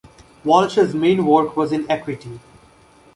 Walsh's main work was in equity.